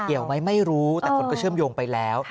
เกี่ยวไหมไม่รู้แต่คนก็เชื่อมโยงไปแล้ว